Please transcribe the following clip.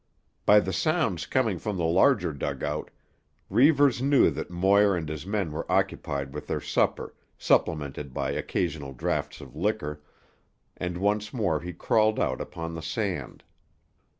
By the sounds coming from the larger dugout Reivers knew that Moir and his men were occupied with their supper, supplemented by occasional drafts of liquor, and once more he crawled out upon the sand.